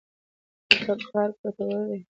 ورته کار ګټور دی.